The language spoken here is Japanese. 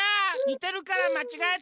にてるからまちがえた。